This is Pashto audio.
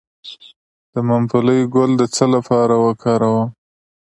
د ممپلی ګل د څه لپاره وکاروم؟